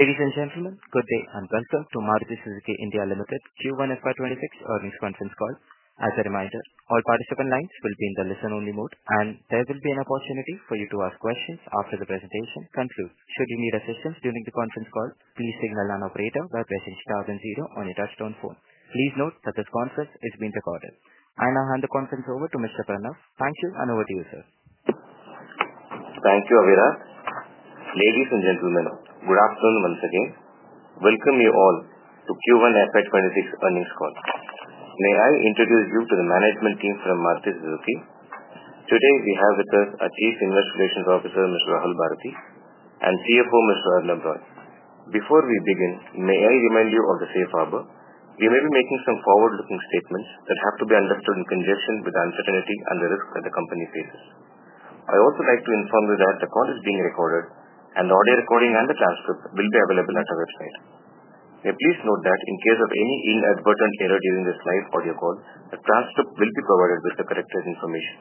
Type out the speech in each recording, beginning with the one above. Ladies and gentlemen, good day and welcome to Maruti Suzuki India Limited Q1 FY26 earnings conference call. As a reminder, all participant lines will be in the listen-only mode, and there will be an opportunity for you to ask questions after the presentation concludes. Should you need assistance during the conference call, please signal an operator by pressing star then zero on your touch-tone phone. Please note that this conference is being recorded. I now hand the conference over to Mr. Pranav. Thank you, and over to you, sir. Thank you, Avirah. Ladies and gentlemen, good afternoon once again. Welcome you all to Q1 FY2026 earnings call. May I introduce you to the management team from Maruti Suzuki? Today, we have with us Chief Investor Relations Officer Mr. Rahul Bharti and CFO Mr. Arnab Roy. Before we begin, may I remind you of the safe harbor? We may be making some forward-looking statements that have to be understood in conjunction with the uncertainty and the risk that the company faces. I also like to inform you that the call is being recorded, and the audio recording and the transcript will be available at our website. Please note that in case of any inadvertent error during this live audio call, the transcript will be provided with the corrected information.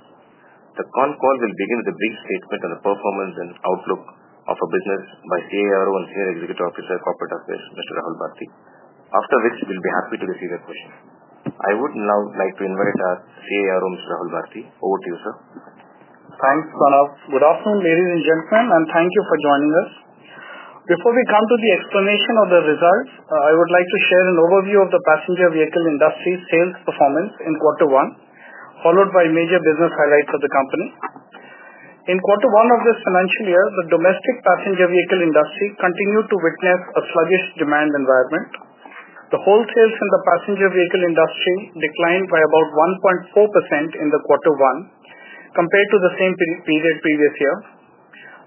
The con call will begin with a brief statement on the performance and outlook of our business by CIRO and Senior Executive Officer Corporate Affairs, Mr. Rahul Bharti, after which you'll be happy to receive your questions. I would now like to invite our CIRO, Mr. Rahul Bharti. Over to you, sir. Thanks, Pranav. Good afternoon, ladies and gentlemen, and thank you for joining us. Before we come to the explanation of the results, I would like to share an overview of the passenger vehicle industry's sales performance in quarter1, followed by major business highlights of the company. In quarter1 of this financial year, the domestic passenger vehicle industry continued to witness a sluggish demand environment. The wholesale in the passenger vehicle industry declined by about 1.4% in quarter1 compared to the same period previous year.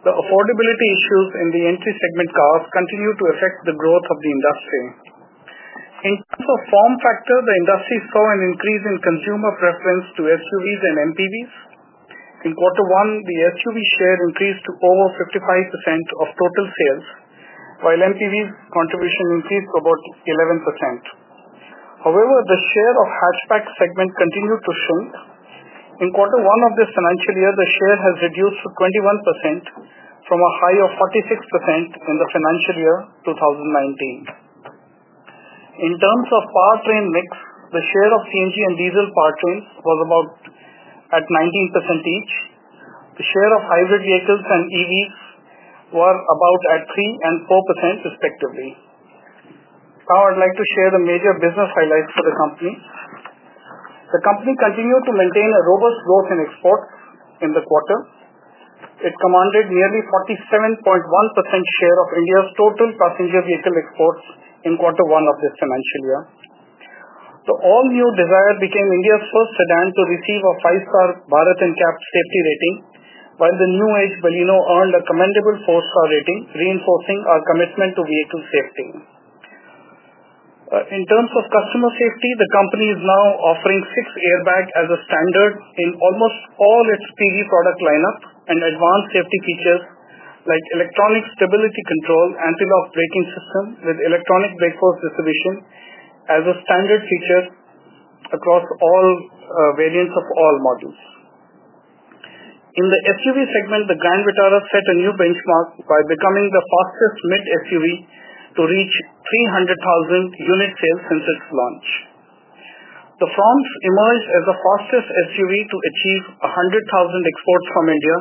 The affordability issues in the entry-segment cars continued to affect the growth of the industry. In terms of form factor, the industry saw an increase in consumer preference to SUVs and MPVs. In quarter1, the SUV share increased to over 55% of total sales, while MPVs' contribution increased to about 11%. However, the share of the hatchback segment continued to shrink. In quarter1 of this financial year, the share has reduced to 21% from a high of 46% in the financial year 2019. In terms of powertrain mix, the share of CNG and diesel powertrains was about 19% each. The share of hybrid vehicles and EVs was about 3 and 4%, respectively. Now, I'd like to share the major business highlights for the company. The company continued to maintain a robust growth in exports in the quarter. It commanded nearly 47.1% share of India's total passenger vehicle exports in quarter 1 of this financial year. The all-new Dzire became India's first sedan to receive a five-star Bharat NCAP safety rating, while the new-age Baleno earned a commendable four-star rating, reinforcing our commitment to vehicle safety. In terms of customer safety, the company is now offering six airbags as a standard in almost all its PV product lineup and advanced safety features like electronic stability control, anti-lock braking system with electronic brake force distribution as a standard feature across all variants of all models. In the SUV segment, the Grand Vitara set a new benchmark by becoming the fastest mid-SUV to reach 300,000 unit sales since its launch. The Fronx emerged as the fastest SUV to achieve 100,000 exports from India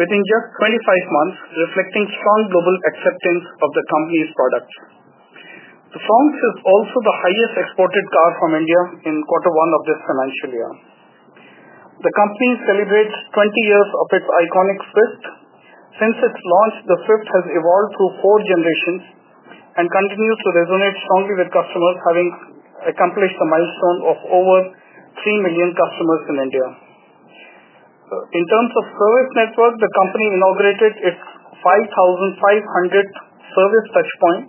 within just 25 months, reflecting strong global acceptance of the company's products. The Fronx is also the highest exported car from India in quarter1 of this financial year. The company celebrates 20 years of its iconic Swift. Since its launch, the Swift has evolved through four generations and continues to resonate strongly with customers, having accomplished a milestone of over 3 million customers in India. In terms of service network, the company inaugurated its 5,500th service touchpoint,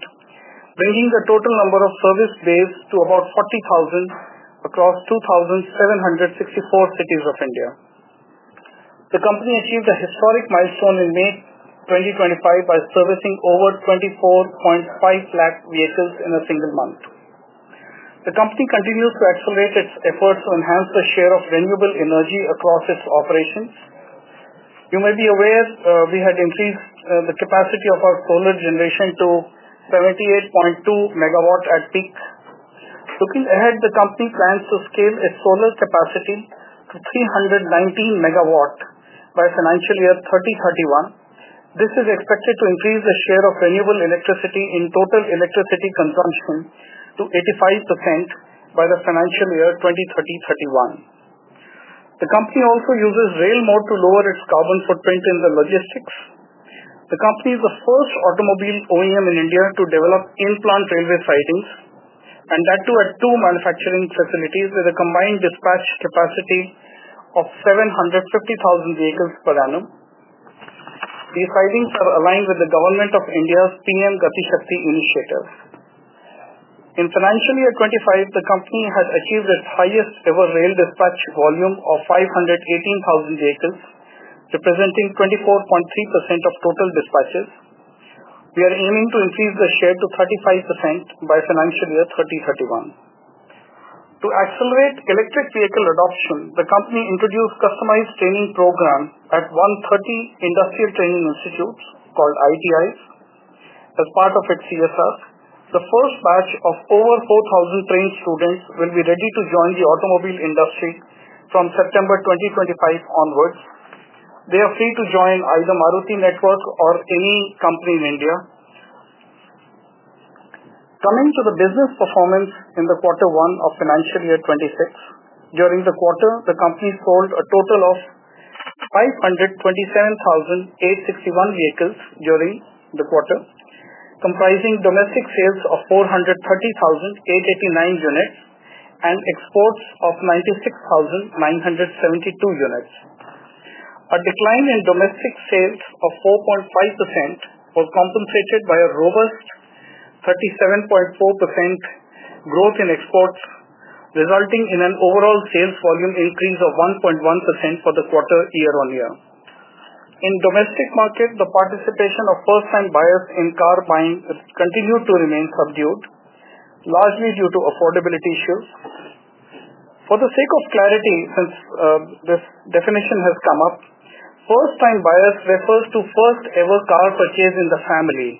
bringing the total number of service bays to about 40,000 across 2,764 cities of India. The company achieved a historic milestone in May 2025 by servicing over 2.45 million vehicles in a single month. The company continues to accelerate its efforts to enhance the share of renewable energy across its operations. You may be aware we had increased the capacity of our solar generation to 78.2 megawatts at peak. Looking ahead, the company plans to scale its solar capacity to 319 megawatts by financial year 2031. This is expected to increase the share of renewable electricity in total electricity consumption to 85% by the financial year 2031. The company also uses rail mode to lower its carbon footprint in the logistics. The company is the first automobile OEM in India to develop in-plant railway sidings, and that too at two manufacturing facilities with a combined dispatch capacity of 750,000 vehicles per annum. These sidings are aligned with the government of India's PM Gati Shakti initiative. In financial year 2025, the company has achieved its highest-ever rail dispatch volume of 518,000 vehicles, representing 24.3% of total dispatches. We are aiming to increase the share to 35% by financial year 2031. To accelerate electric vehicle adoption, the company introduced a customized training program at 130 industrial training institutes called ITIs as part of its CSR. The first batch of over 4,000 trained students will be ready to join the automobile industry from September 2025 onwards. They are free to join either the Maruti network or any company in India. Coming to the business performance in quarter1 of financial year 2026, during the quarter, the company sold a total of 527,861 vehicles during the quarter, comprising domestic sales of 430,889 units and exports of 96,972 units. A decline in domestic sales of 4.5% was compensated by a robust 37.4% growth in exports, resulting in an overall sales volume increase of 1.1% for the quarter year-on-year. In the domestic market, the participation of first-time buyers in car buying continued to remain subdued, largely due to affordability issues. For the sake of clarity, since. This definition has come up, first-time buyers refer to first-ever car purchase in the family,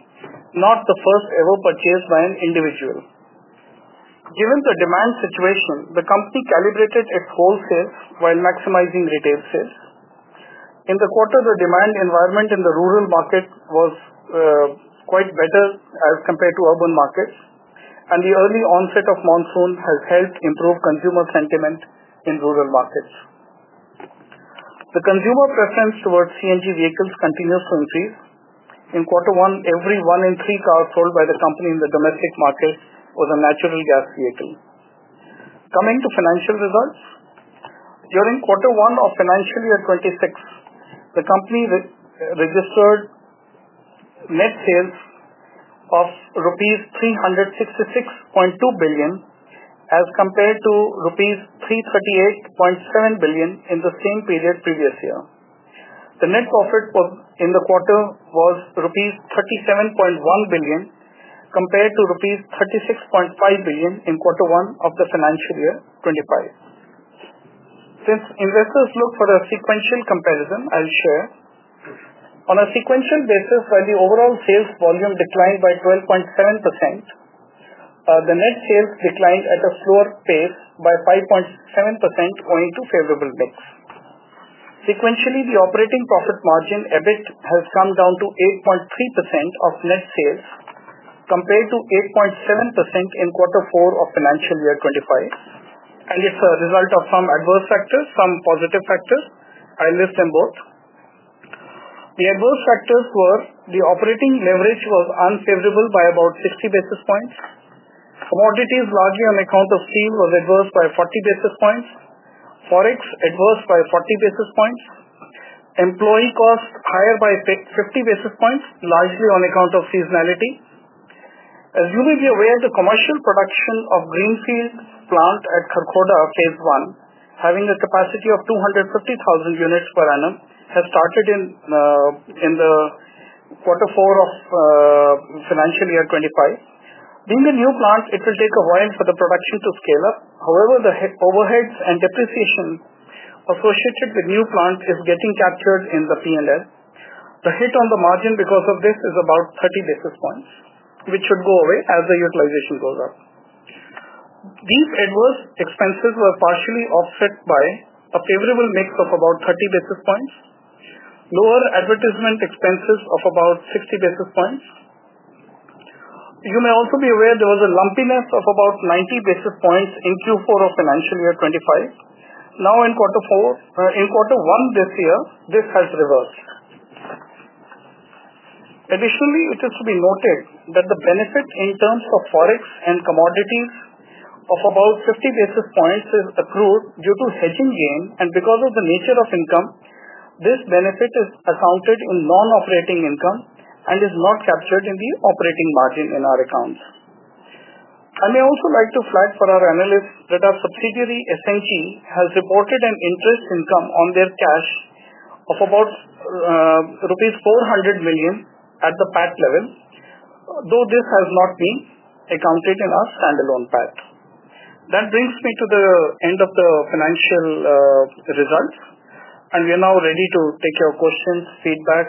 not the first-ever purchase by an individual. Given the demand situation, the company calibrated its wholesale while maximizing retail sales. In the quarter, the demand environment in the rural market was quite better as compared to urban markets, and the early onset of monsoon has helped improve consumer sentiment in rural markets. The consumer preference towards CNG vehicles continues to increase. In quarter 1, every one in three cars sold by the company in the domestic market was a natural gas vehicle. Coming to financial results, during quarter 1 of financial year 2026, the company registered net sales of rupees 366.2 billion as compared to INR 338.7 billion in the same period previous year. The net profit in the quarter was rupees 37.1 billion compared to rupees 36.5 billion in quarter 1 of the financial year 2025. Since investors look for a sequential comparison, I'll share. On a sequential basis, while the overall sales volume declined by 12.7%, the net sales declined at a slower pace by 5.7%, going to favorable mix. Sequentially, the operating profit margin EBIT has come down to 8.3% of net sales compared to 8.7% in quarter 4 of financial year 2025, and it's a result of some adverse factors, some positive factors. I'll list them both. The adverse factors were the operating leverage was unfavorable by about 60 basis points. Commodity costs, largely on account of steel, were adverse by 40 basis points. Forex was adverse by 40 basis points. Employee cost was higher by 50 basis points, largely on account of seasonality. As you may be aware, the commercial production of Greenfield Plant at Karkoda, phase I, having a capacity of 250,000 units per annum, has started in quarter 4 of financial year 2025. Being a new plant, it will take a while for the production to scale up. However, the overheads and depreciation associated with new plants are getting captured in the P&L. The hit on the margin because of this is about 30 basis points, which should go away as the utilization goes up. These adverse expenses were partially offset by a favorable mix of about 30 basis points and lower advertisement expenses of about 60 basis points. You may also be aware there was a lumpiness of about 90 basis points in Q4 of financial year 2025. Now, in quarter 1 this year, this has reversed. Additionally, it is to be noted that the benefit in terms of forex and commodity costs of about 50 basis points is accrued due to hedging gain, and because of the nature of income, this benefit is accounted in non-operating income and is not captured in the operating margin in our accounts. I may also like to flag for our analysts that our subsidiary, Essenti, has reported an interest income on their cash of about rupees 400 million at the PAT level, though this has not been accounted in our standalone PAT. That brings me to the end of the financial results, and we are now ready to take your questions, feedback,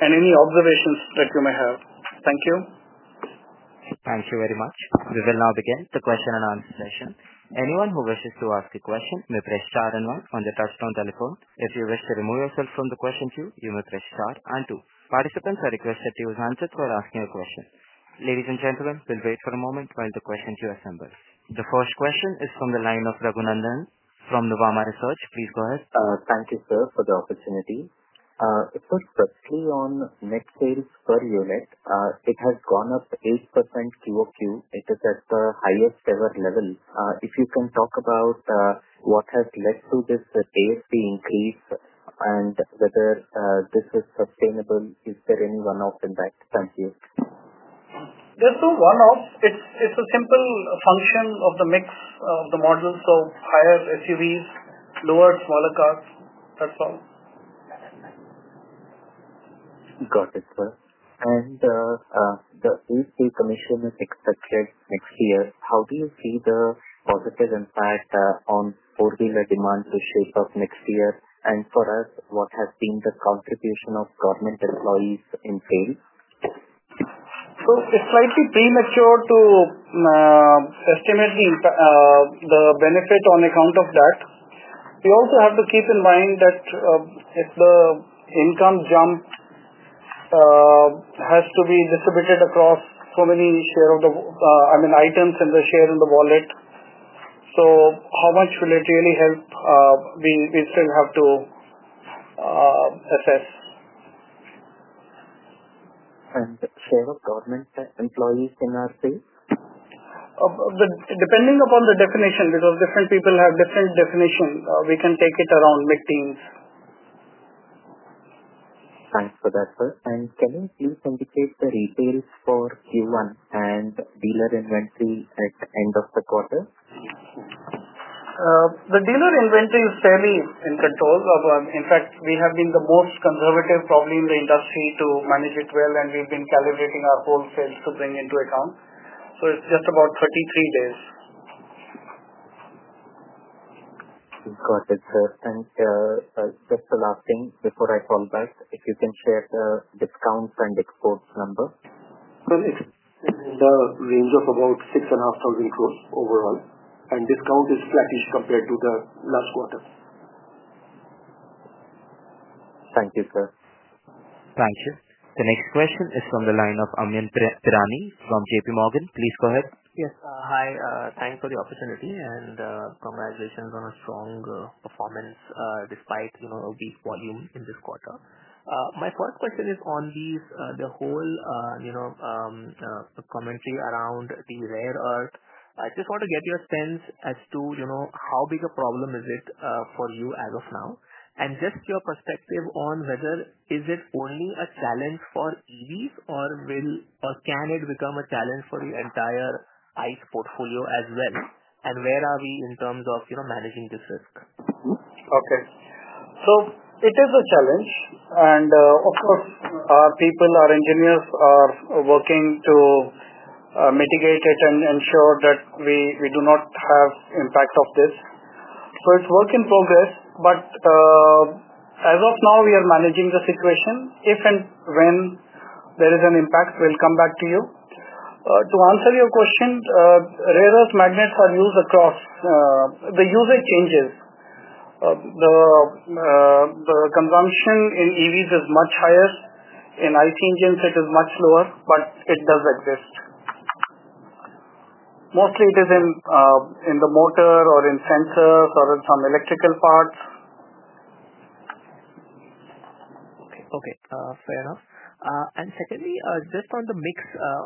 and any observations that you may have. Thank you. Thank you very much. We will now begin the question and answer session. Anyone who wishes to ask a question may press star and 1 on the touch-tone telephone. If you wish to remove yourself from the question queue, you may press star and 2. Participants are requested to use handsets while asking a question. Ladies and gentlemen, please wait for a moment while the question queue assembles. The first question is from the line of Raghunandan from Nuvama Research. Please go ahead. Thank you, sir, for the opportunity. It's not directly on net sales per unit. It has gone up 8% QOQ. It is at the highest-ever level. If you can talk about what has led to this ASP increase and whether this is sustainable, is there any one-off in that? Thank you. There's no one-off. It's a simple function of the mix of the models of higher SUVs, lower smaller cars. That's all. Got it, sir. The ASP commission is expected next year. How do you see the positive impact on four-wheeler demand to shape up next year? For us, what has been the contribution of government employees in sales? It's slightly premature to estimate the benefit on account of that. We also have to keep in mind that if the income jump has to be distributed across so many shares of the, I mean, items and the share in the wallet, how much will it really help, we still have to assess. Is the share of government employees in our sales? Depending upon the definition, because different people have different definitions, we can take it around mid-teens. Thanks for that, sir. Can you please indicate the retails for Q1 and dealer inventory at the end of the quarter? The dealer inventory is fairly in control. In fact, we have been the most conservative probably in the industry to manage it well, and we've been calibrating our wholesales to bring into account. It is just about 33 days. Got it, sir. Just the last thing before I fall back, if you can share the discount and exports number. It is in the range of about 6,500 crore overall, and discount is flattish compared to the last quarter. Thank you, sir. Thank you. The next question is from the line of Amyn Pirani from JP Morgan. Please go ahead. Yes. Hi. Thanks for the opportunity, and congratulations on a strong performance despite a weak volume in this quarter. My first question is on the whole commentary around the rare earth. I just want to get your sense as to how big a problem is it for you as of now, and just your perspective on whether is it only a challenge for EVs, or can it become a challenge for the entire ICE portfolio as well? Where are we in terms of managing this risk? Okay. It is a challenge, and of course, our engineers are working to mitigate it and ensure that we do not have impact of this. It is a work in progress, but as of now, we are managing the situation. If and when there is an impact, we'll come back to you. To answer your question, rare earth magnets are used across. The usage changes. The consumption in EVs is much higher. In ICE engines, it is much lower, but it does exist. Mostly, it is in the motor or in sensors or in some electrical parts. Okay. Fair enough. Secondly, just on the mix,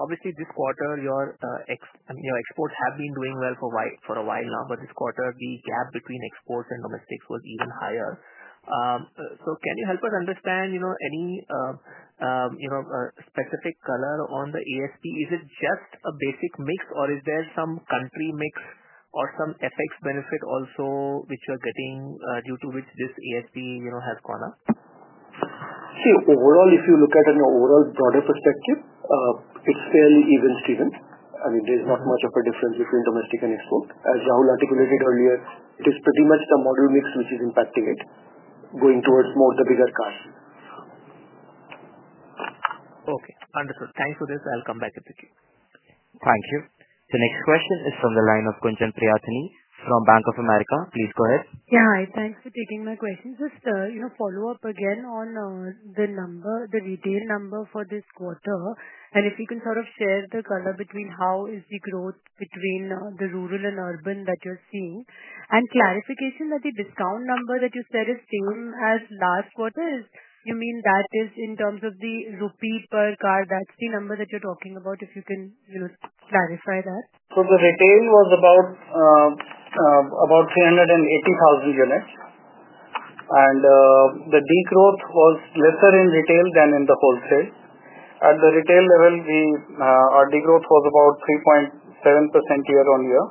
obviously, this quarter your exports have been doing well for a while now, but this quarter the gap between exports and domestics was even higher. Can you help us understand any specific color on the ASP? Is it just a basic mix, or is there some country mix or some FX benefit also which you are getting due to which this ASP has gone up? See, overall, if you look at an overall broader perspective, it's fairly even, Steven. I mean, there's not much of a difference between domestic and export. As Rahul articulated earlier, it is pretty much the model mix which is impacting it, going towards more of the bigger cars. Okay. Understood. Thanks for this. I'll come back if you can. Thank you. The next question is from the line of Gunjan Prithyani from Bank of America. Please go ahead. Yeah. Hi. Thanks for taking my question. Just a follow-up again on the retail number for this quarter, and if you can sort of share the color between how is the growth between the rural and urban that you're seeing, and clarification that the discount number that you said is same as last quarter, you mean that is in terms of the rupee per car, that's the number that you're talking about, if you can clarify that? The retail was about 380,000 units, and the degrowth was lesser in retail than in the wholesale. At the retail level, our degrowth was about 3.7% year-on-year,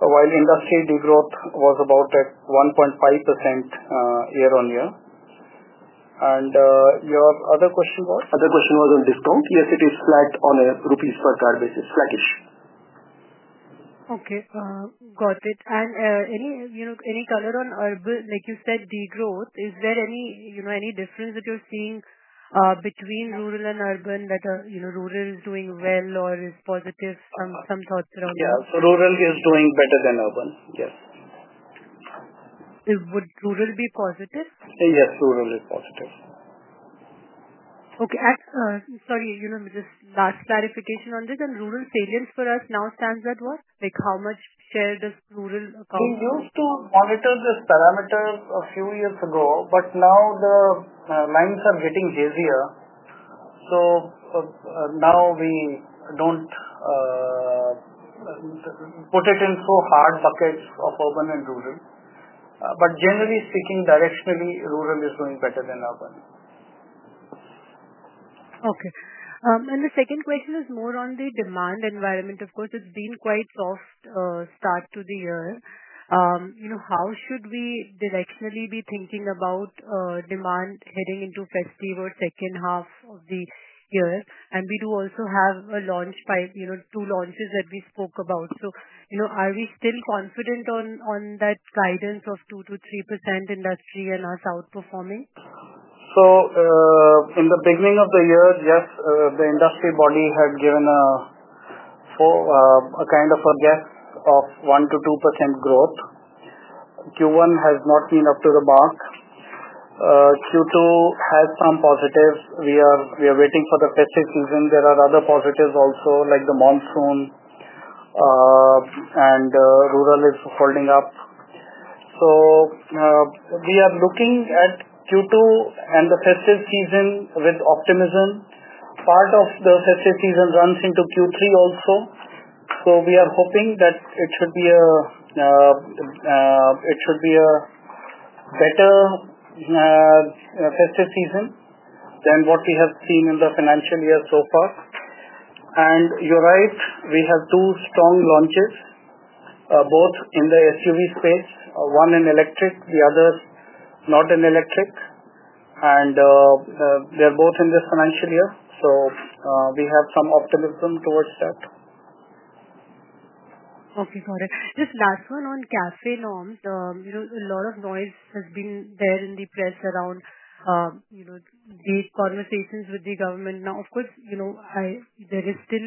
while industry degrowth was about 1.5% year-on-year. Your other question was on discount. Yes, it is flat on a rupees per car basis, flattish. Okay. Got it. Any color on urban, like you said, degrowth? Is there any difference that you're seeing between rural and urban, that rural is doing well or is positive? Some thoughts around that. Yeah, rural is doing better than urban, yes. Would rural be positive? Yes, rural is positive. Okay. Sorry, just last clarification on this. Rural salience for us now stands at what? How much share does rural account? We used to monitor this parameter a few years ago, but now the lines are getting hazier. Now we don't put it in hard buckets of urban and rural, but generally speaking, directionally, rural is doing better than urban. Okay. The second question is more on the demand environment. Of course, it's been quite a soft start to the year. How should we directionally be thinking about demand heading into festive or second half of the year? We do also have a launch, by two launches that we spoke about. Are we still confident on that guidance of 2% to 3% industry and us outperforming? In the beginning of the year, yes, the industry body had given a kind of a guess of 1% to 2% growth. Q1 has not been up to the mark. Q2 has some positives. We are waiting for the festive season. There are other positives also, like the monsoon, and rural is holding up. We are looking at Q2 and the festive season with optimism. Part of the festive season runs into Q3 also. We are hoping that it should be a better festive season than what we have seen in the financial year so far. You're right. We have two strong launches, both in the SUV space, one in electric, the other not in electric. They're both in this financial year. We have some optimism towards that. Okay. Got it. Just last one on CAFE norms. A lot of noise has been there in the press around the conversations with the government. Now, of course, it is still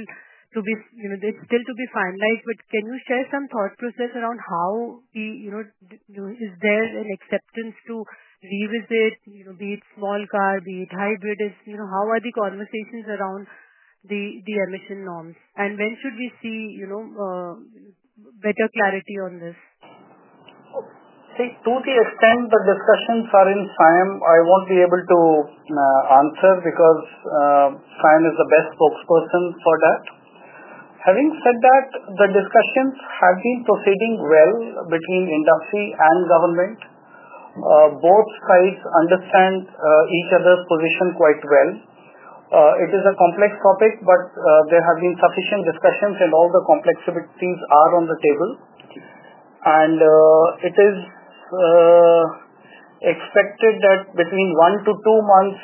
to be finalized, but can you share some thought process around how we—is there an acceptance to revisit, be it small car, be it hybrid? How are the conversations around the emission norms, and when should we see better clarity on this? See, to the extent the discussions are in SIAM, I won't be able to answer because SIAM is the best spokesperson for that. Having said that, the discussions have been proceeding well between industry and government. Both sides understand each other's position quite well. It is a complex topic, but there have been sufficient discussions, and all the complexities are on the table. It is expected that between one to two months,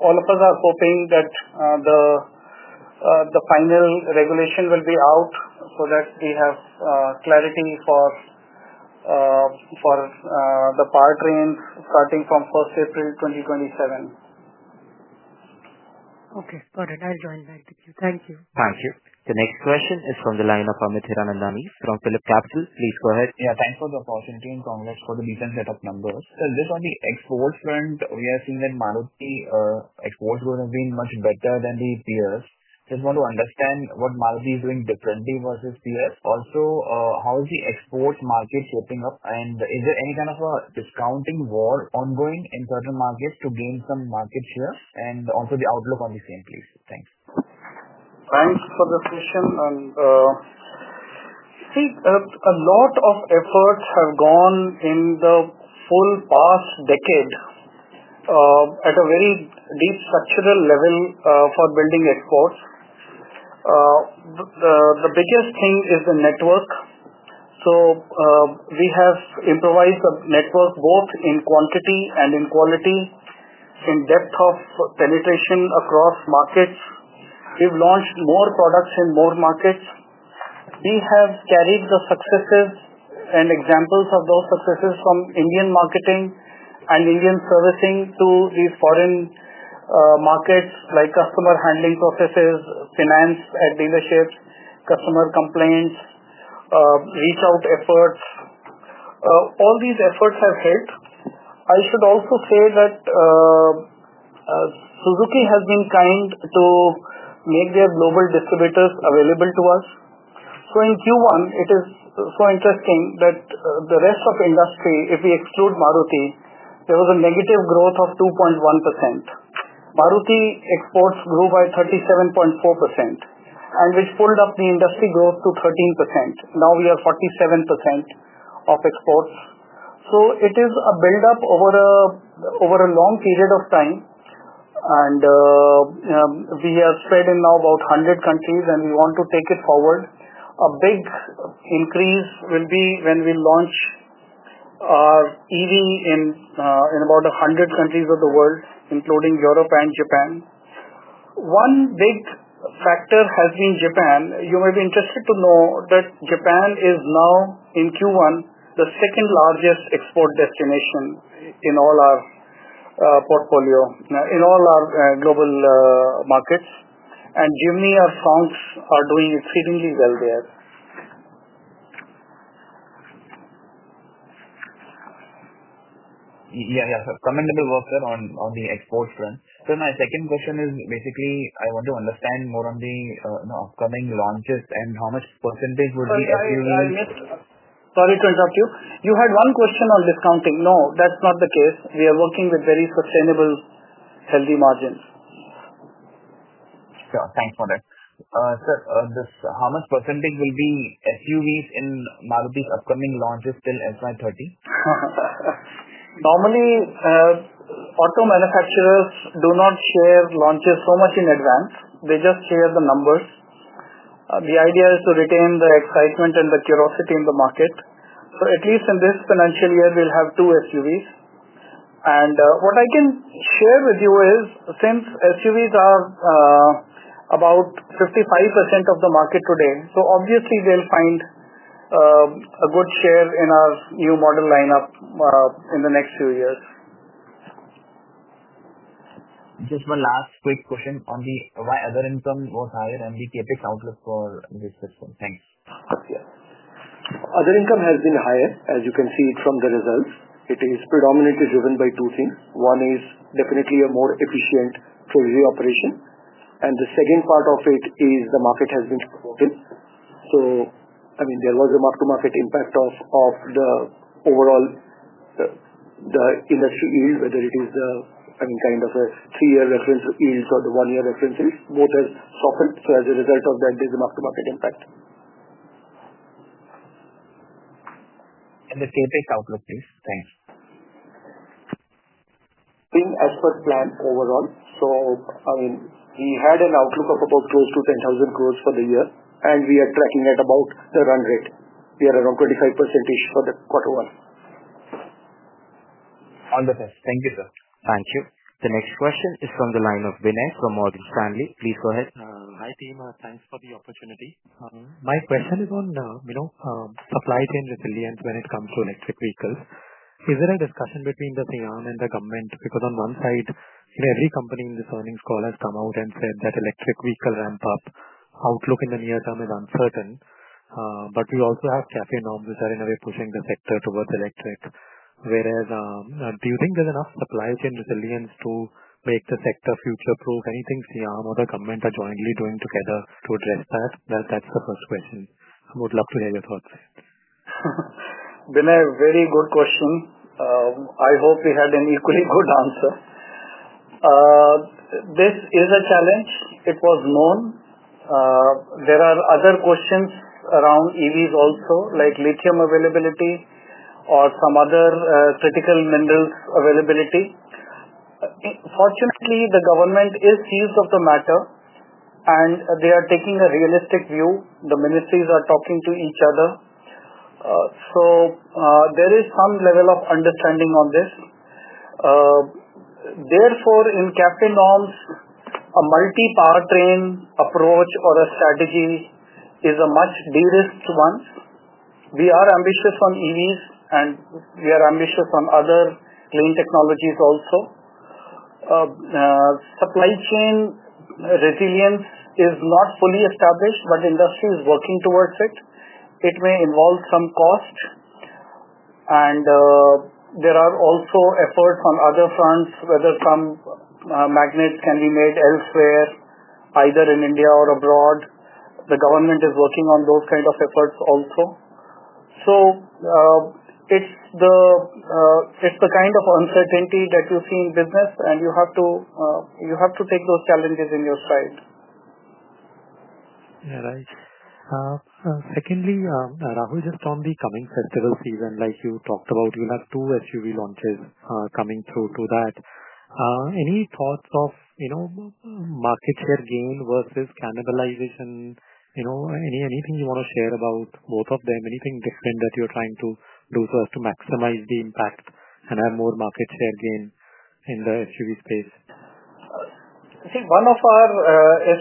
all of us are hoping that the final regulation will be out so that we have clarity for the power trains starting from 1st April, 2027. Okay, got it. I'll join back. Thank you. Thank you. The next question is from the line of Amit Hiranandani from Philip Capital. Please go ahead. Thanks for the opportunity and congrats for the decent setup numbers. Just on the export front, we are seeing that Maruti Suzuki India Limited exports would have been much better than the peers. I just want to understand what Maruti Suzuki India Limited is doing differently versus peers. Also, how is the export market shaping up? Is there any kind of a discounting war ongoing in certain markets to gain some market share? Also, the outlook on the same place. Thanks. Thanks for the question. A lot of efforts have gone in the full past decade at a very deep structural level for building exports. The biggest thing is the network. We have improvised the network both in quantity and in quality, in depth of penetration across markets. We've launched more products in more markets. We have carried the successes and examples of those successes from Indian marketing and Indian servicing to these foreign markets, like customer handling processes, finance at dealerships, customer complaints, reach-out efforts. All these efforts have helped. I should also say that Suzuki has been kind to make their global distributors available to us. In Q1, it is so interesting that the rest of industry, if we exclude Maruti Suzuki India Limited, there was a negative growth of 2.1%. Maruti exports grew by 37.4%, which pulled up the industry growth to 13%. Now we are 47% of exports. It is a build-up over a long period of time, and we are spread in now about 100 countries, and we want to take it forward. A big increase will be when we launch our EV in about 100 countries of the world, including Europe and Japan. One big factor has been Japan. You may be interested to know that Japan is now, in Q1, the second largest export destination in all our portfolio, in all our global markets. Jimny and Fronx are doing exceedingly well there. Yeah, commendable work there on the export front. My second question is basically I want to understand more on the upcoming launches and how much % would be SUVs? Sorry to interrupt you. You had one question on discounting. No, that's not the case. We are working with very sustainable, healthy margins. Sure. Thanks for that. Sir, how much % will be SUVs in Maruti Suzuki India Limited's upcoming launches till 2030? Normally, auto manufacturers do not share launches so much in advance. They just share the numbers. The idea is to retain the excitement and the curiosity in the market. At least in this financial year, we'll have two SUVs. What I can share with you is, since SUVs are about 55% of the market today, obviously, they'll find a good share in our new model lineup in the next few years. Just one last quick question on why other income was higher and the CapEx outlook for this fiscal year. Thanks. Other income has been higher, as you can see from the results. It is predominantly driven by two things. One is definitely a more efficient treasury operation. The second part of it is the market has been supported. There was a mark-to-market impact of the overall industry yield, whether it is the, I mean, kind of a three-year reference yields or the one-year reference yields. Both have softened. As a result of that, there's a mark-to-market impact. The CapEx outlook, please. Thanks. Being as per plan overall. We had an outlook of about close to 10,000 crore for the year, and we are tracking at about the run rate. We are around 25% for the quarter one. Wonderful. Thank you, sir. Thank you. The next question is from the line of Vinay from Morgan Stanley. Please go ahead. Hi, Team. Thanks for the opportunity. My question is on supply chain resilience when it comes to electric vehicles. Is there a discussion between Maruti Suzuki India Limited and the government? On one side, every company in this earnings call has come out and said that electric vehicle ramp-up outlook in the near term is uncertain. We also have CAFE norms, which are, in a way, pushing the sector towards electric. Do you think there's enough supply chain resilience to make the sector future-proof? Anything Maruti Suzuki India Limited or the government are jointly doing together to address that? That's the first question. I would love to hear your thoughts sir. Vinay, very good question. I hope we had an equally good answer. This is a challenge. It was known. There are other questions around EVs also, like lithium availability or some other critical minerals availability. Fortunately, the government is seized of the matter, and they are taking a realistic view. The ministries are talking to each other. There is some level of understanding on this. Therefore, in CAFE norms, a multi-power train approach or a strategy is a much dearest one. We are ambitious on EVs, and we are ambitious on other clean technologies also. Supply chain resilience is not fully established, but the industry is working towards it. It may involve some cost. There are also efforts on other fronts, whether some magnets can be made elsewhere, either in India or abroad. The government is working on those kinds of efforts also. It's the kind of uncertainty that you see in business, and you have to take those challenges in your side. Yeah. Right. Secondly, Rahul, just on the coming festival season, like you talked about, you'll have two SUV launches coming through to that. Any thoughts of market share gain versus cannibalization? Anything you want to share about both of them? Anything different that you're trying to do so as to maximize the impact and have more market share gain in the SUV space? I think one of our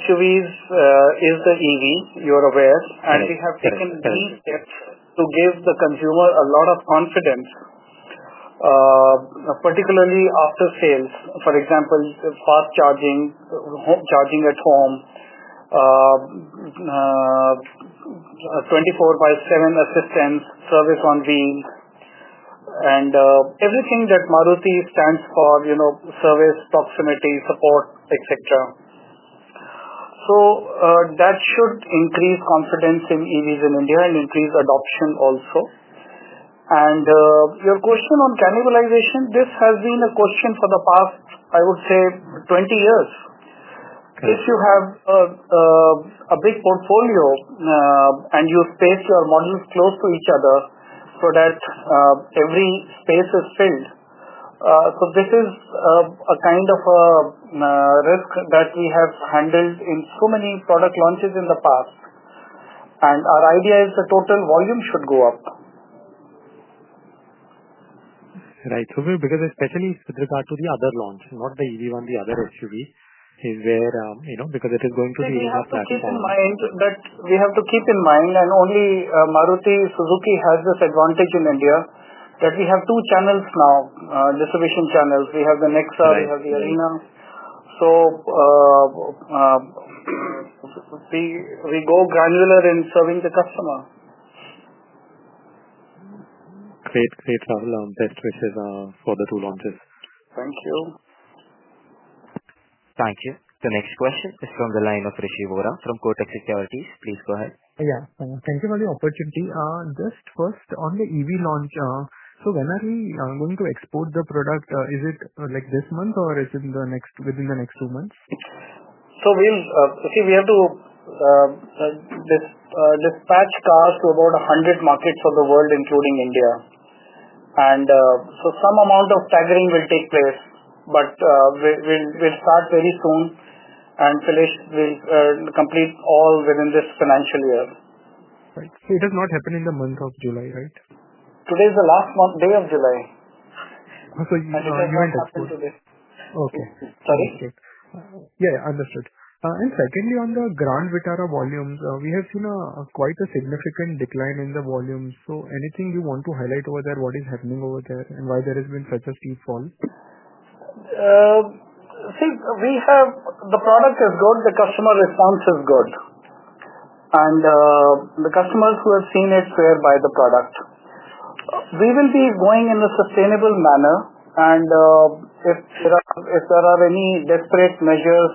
SUVs is the EV, you're aware. We have taken these steps to give the consumer a lot of confidence, particularly after sales. For example, fast charging, charging at home, 24x7 assistance, service on wheel, and everything that Maruti stands for: service, proximity, support, etc. That should increase confidence in EVs in India and increase adoption also. Your question on cannibalization, this has been a question for the past, I would say, 20 years. If you have a big portfolio and you space your models close to each other so that every space is filled, this is a kind of risk that we have handled in so many product launches in the past. Our idea is the total volume should go up. Right, because especially with regard to the other launch, not the EV one, the other SUV, it is going to be in our platform. We have to keep in mind that only Maruti Suzuki has this advantage in India, that we have two channels now, distribution channels. We have the Nexa, we have the Arena. We go granular in serving the customer. Great. Great. Rahul, best wishes for the two launches. Thank you. Thank you. The next question is from the line of Rishi Vora from Kotak Securities. Please go ahead. Thank you for the opportunity. Just first, on the EV launch, when are we going to export the product? Is it this month, or is it within the next two months? We have to dispatch cars to about 100 markets of the world, including India. Some amount of tackering will take place. We'll start very soon and complete all within this financial year. Right. It has not happened in the month of July, right? Today is the last day of July. Oh, you went after today. It happened today. Okay. Sorry? Understood. Yeah. Understood. Secondly, on the Grand Vitara volumes, we have seen quite a significant decline in the volumes. Is there anything you want to highlight over there, what is happening over there, and why there has been such a steep fall? See, the product is good. The customer response is good, and the customers who have seen it swear by the product. We will be going in a sustainable manner. If there are any desperate measures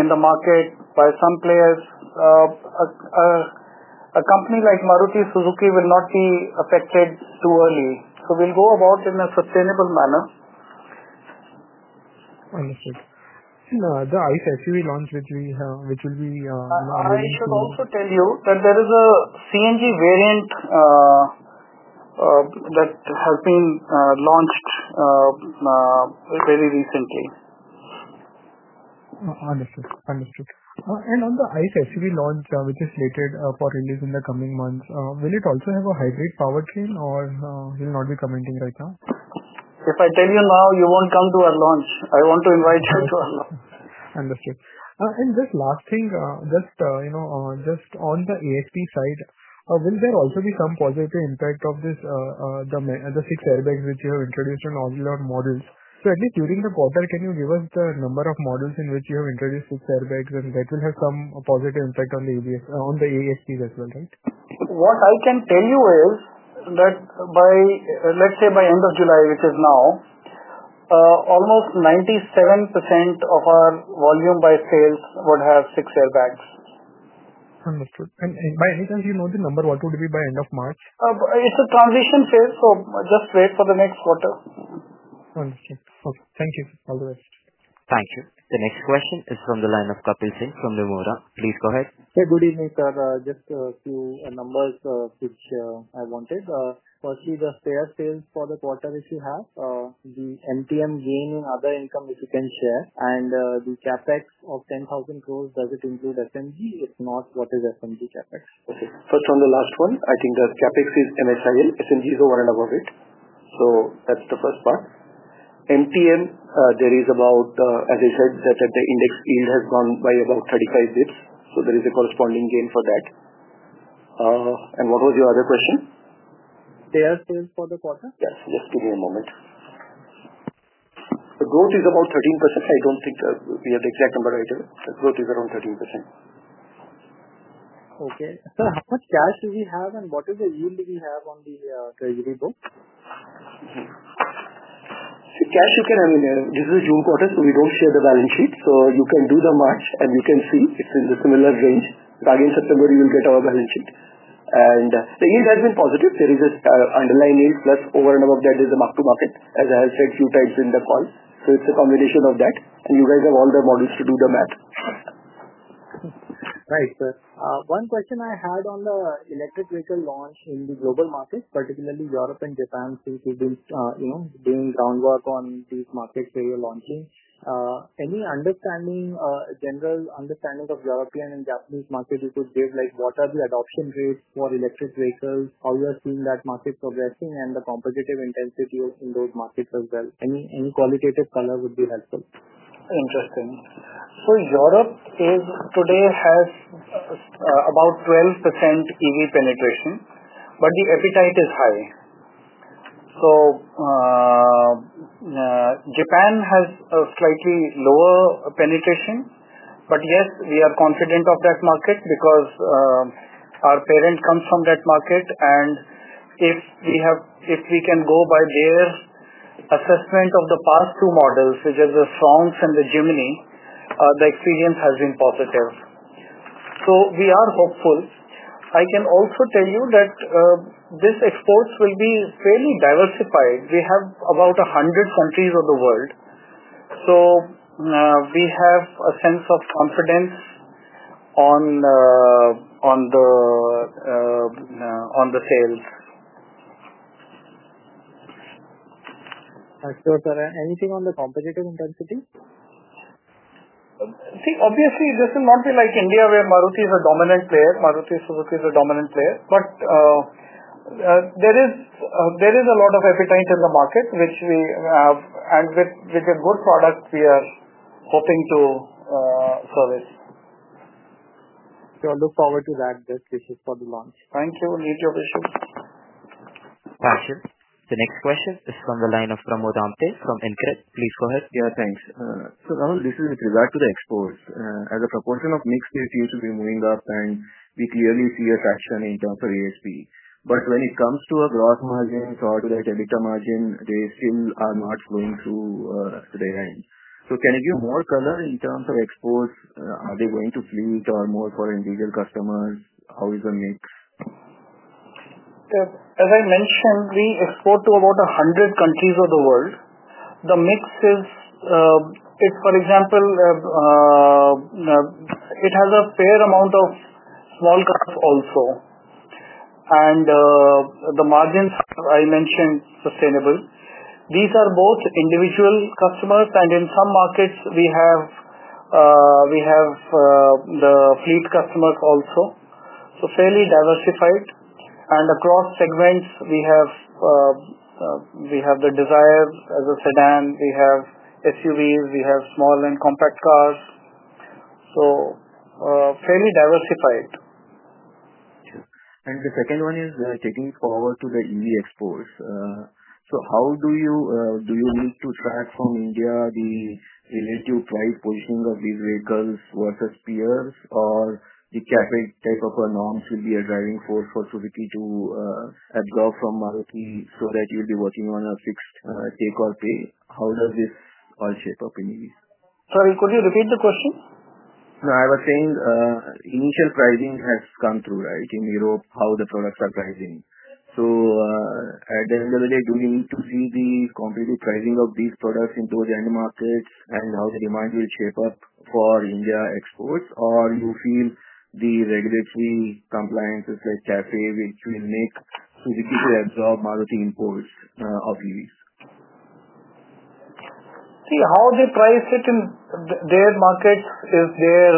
in the market by some players, a company like Maruti Suzuki India Limited will not be affected too early. We will go about in a sustainable manner. Understood. The ICE SUV launch, which will be. I should also tell you that there is a CNG variant that has been launched very recently. Understood. Understood. On the ICE SUV launch, which is slated for release in the coming months, will it also have a hybrid powertrain, or you'll not be commenting right now? If I tell you now, you won't come to our launch. I want to invite you to our launch. Understood. Just last thing, on the ASP side, will there also be some positive impact of the six airbags which you have introduced in all your models? At least during the quarter, can you give us the number of models in which you have introduced six airbags, and that will have some positive impact on the ASPs as well, right? What I can tell you is that by end of July, which is now, almost 97% of our volume by sales would have six airbags. Understood. By any chance, do you know the number? What would it be by end of March? It's a transition phase, just wait for the next quarter. Understood. Okay. Thank you. All the best. Thank you. The next question is from the line of Kapil Singh from Vemora. Please go ahead. Good evening, sir. Just a few numbers which I wanted. Firstly, the share sales for the quarter, if you have, the MTM gain in other income, if you can share, and the CapEx of 10,000 crore, does it include SMG? If not, what is SMG CapEx? Okay. First, on the last one, I think that CapEx is MSIL. SMG is over and above it. That's the first part. MTM, there is about, as I said, that the index yield has gone by about 35 bps. There is a corresponding gain for that. What was your other question? Share sales for the quarter? Yes, just give me a moment. The growth is about 13%. I don't think we have the exact number right here. The growth is around 13%. Okay. Sir, how much cash do we have, and what is the yield we have on the treasury book? Cash you can—I mean, this is a June quarter, so we don't share the balance sheet. You can do the March, and you can see it's in the similar range. In September, you will get our balance sheet. The yield has been positive. There is an underlying yield, plus over and above that is the mark-to-market, as I have said a few times in the call. It's a combination of that. You guys have all the models to do the math. Right. One question I had on the electric vehicle launch in the global markets, particularly Europe and Japan, since you've been doing groundwork on these markets where you're launching. Any understanding, general understanding of European and Japanese market, you could give, like what are the adoption rates for electric vehicles, how you are seeing that market progressing, and the competitive intensity in those markets as well? Any qualitative color would be helpful. Interesting. Europe today has about 12% EV penetration, but the appetite is high. Japan has slightly lower penetration, but yes, we are confident of that market because our parent comes from that market. If we can go by their assessment of the past two models, which are the Swans and the Jimny, the experience has been positive. We are hopeful. I can also tell you that these exports will be fairly diversified. We have about 100 countries of the world. We have a sense of confidence on the sales. Thank you, sir. Anything on the competitive intensity? Obviously, this will not be like India, where Maruti Suzuki India Limited is a dominant player. There is a lot of appetite in the market, which we have, and with a good product, we are hoping to service. We look forward to those wishes for the launch. Thank you. Need your wishes. Thank you. The next question is from the line of Pramod Amthe from InCred. Please go ahead. Thanks. Rahul, this is with regard to the exports. As a proportion of mix, we should be moving up, and we clearly see a traction in terms of ASP. When it comes to a gross margin or to the EBITDA margin, they still are not flowing through to their end. Can you give more color in terms of exports? Are they going to fleet or more for individual customers? How is the mix? As I mentioned, we export to about 100 countries of the world. The mix is, for example, it has a fair amount of small cuts also, and the margins, as I mentioned, sustainable. These are both individual customers, and in some markets, we have the fleet customers also. Fairly diversified and across segments, we have the Dzire as a sedan, we have SUVs, we have small and compact cars. Fairly diversified. The second one is taking forward to the EV exports. How do you need to track from India the relative price positioning of these vehicles versus peers, or the CapEx type of norms will be a driving force for Suzuki to absorb from Maruti so that you'll be working on a fixed take-or-pay? How does this all shape up in EVs? Sorry, could you repeat the question? I was saying initial pricing has come through, right, in Europe, how the products are pricing. At the end of the day, do we need to see the competitive pricing of these products in those end markets and how the demand will shape up for India exports, or you feel the regulatory compliance is like CAFE, which will make Suzuki to absorb Maruti imports of EVs? See, how they price it in their markets is their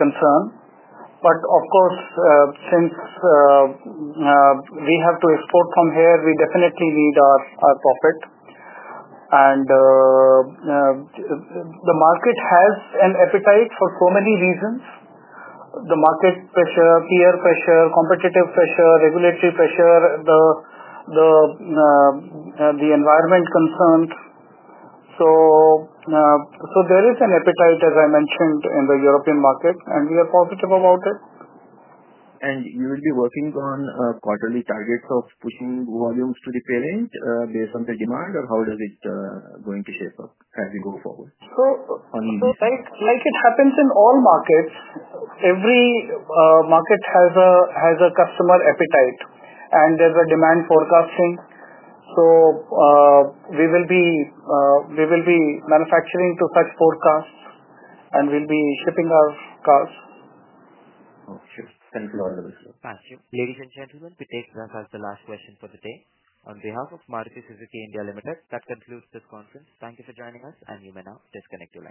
concern. Of course, since we have to export from here, we definitely need our profit. The market has an appetite for so many reasons: market pressure, peer pressure, competitive pressure, regulatory pressure, environment concerns. There is an appetite, as I mentioned, in the European market, and we are positive about it. You will be working on quarterly targets of pushing volumes to the parent based on the demand, or how is it going to shape up as we go forward? Like it happens in all markets, every market has a customer appetite, and there's a demand forecasting. We will be manufacturing to such forecasts and will be shipping our cars. Okay, thank you all. Thank you. Ladies and gentlemen, we take this as the last question for the day. On behalf of Maruti Suzuki India Limited, that concludes this conference. Thank you for joining us, and you may now disconnect your line.